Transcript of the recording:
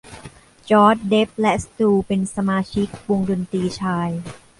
จอส เดฟ และสตูเป็นสมาชิกวงดนตรีชาย